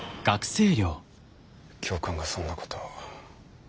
教官がそんなことを。